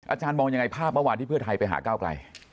อาจารย์มองยังไงภาพเมื่อวานที่เพื่อไทยไปหาก้าวไกล